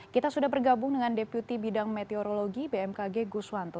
kita sudah bergabung dengan deputi bidang meteorologi bmkg guswanto